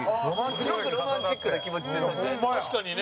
すごくロマンチックな気持ちですよね。